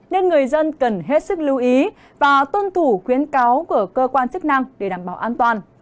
nên người dân cần hết sức lưu ý và tuân thủ khuyến cáo của cơ quan chức năng để đảm bảo an toàn